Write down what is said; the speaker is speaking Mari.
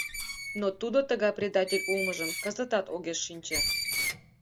Но тудо тыгай предатель улмыжым кызытат огеш шинче.